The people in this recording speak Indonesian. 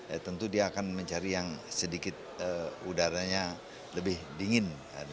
ya tentu dia akan mencari yang sedikit udaranya lebih dingin